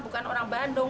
bukan orang bandung